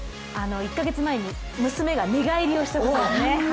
１か月前に娘が寝返りをしたことですね。